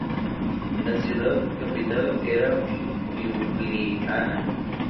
Su ciudad capital era Liubliana.